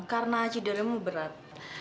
karena judulnya mu berat